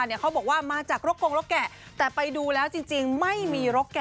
เสี่ยงเพราะว่า